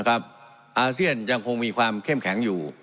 อาเซียนยังคงมีความเข้มแข็งอยู่